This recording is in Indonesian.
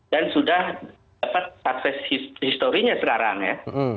dan sudah dapat sukses historinya sekarang ya